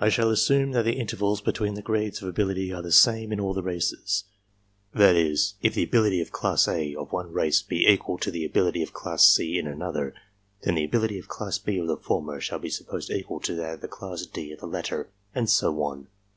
I shall assume that the intervals between the grades of ability are the same in all the races that is, if the ability of class A of one race be equal to the ability of class C in another, then the ability of class B of the former shall be supposed equal to that of class D of the latter, and so on.